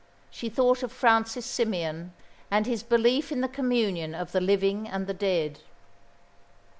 She thought of Francis Symeon, and his belief in the communion of the living and the dead.